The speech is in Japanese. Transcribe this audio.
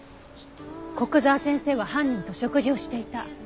古久沢先生は犯人と食事をしていた。